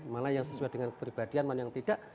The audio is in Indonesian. mana yang sesuai dengan kepribadian mana yang tidak